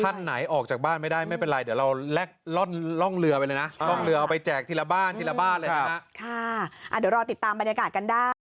ท่านไหนออกจากบ้านไม่ได้ไม่เป็นไรเดี๋ยวเราแรกร่องเรือไปเลยนะ